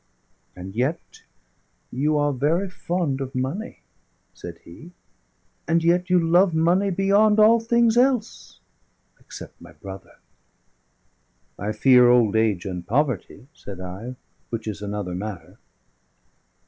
"And yet you are very fond of money!" said he. "And yet you love money beyond all things else, except my brother!" "I fear old age and poverty," said I, "which is another matter."